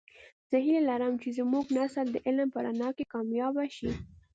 زه هیله لرم چې زمونږنسل د علم په رڼا کې کامیابه شي